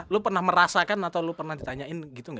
lu pernah merasakan atau lu pernah ditanyain gini